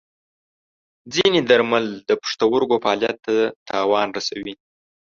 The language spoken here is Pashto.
ځینې درمل د پښتورګو فعالیت ته زیان رسوي.